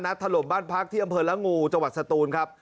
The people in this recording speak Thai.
นัดถล่มบ้านพักที่อำเภอละงูจสตูนครับ